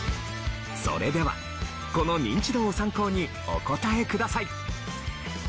それではこのニンチドを参考にお答えください。